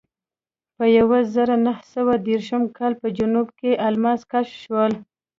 په یوه زرو نهه سوه دېرشم کال په جنورۍ کې الماس کشف شول.